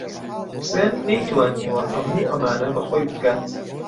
حوسێن نەیتوانیوە هەموو ئەمانە بە خۆی بکات.